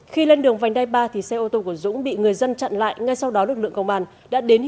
khi lên đường vành đai ba xe ô tô của dũng bị người dân chặn lại